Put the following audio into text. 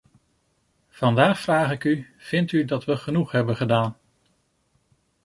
Vandaag vraag ik u: vindt u dat we genoeg hebben gedaan?